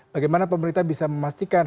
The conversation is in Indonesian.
bagaimana pemerintah bisa memastikan